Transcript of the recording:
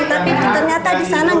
tapi ternyata di sana